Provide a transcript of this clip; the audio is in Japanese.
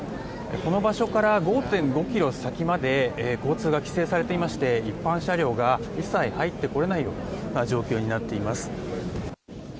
この場所から５．５ｋｍ先まで交通が規制されていまして一般車両が一切入ってこれない状況になっています。